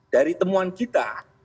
dari temuan kita